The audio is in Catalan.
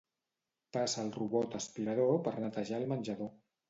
Passa el robot aspirador per netejar el menjador.